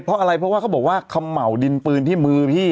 เพราะอะไรเพราะว่าเขาบอกว่าเขม่าวดินปืนที่มือพี่